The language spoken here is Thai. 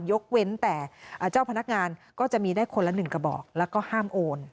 ยกเว้นแต่เจ้าพนักงานก็จะมีได้คนละ๑กระบอกแล้วก็ห้ามโอน